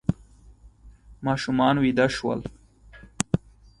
ماشومان ویده شول.